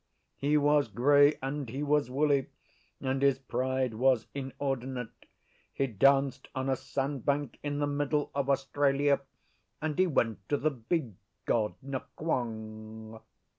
He was grey and he was woolly, and his pride was inordinate: he danced on a sandbank in the middle of Australia, and he went to the Big God Nqong.